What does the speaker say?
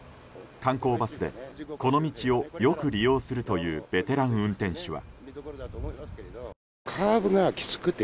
観光バスでこの道をよく利用するというベテラン運転手は。